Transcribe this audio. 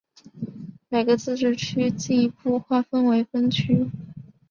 每个自治区进一步划分为分区。